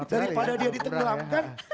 daripada dia diteguramkan